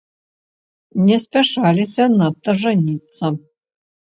Не спяшаліся надта жаніцца.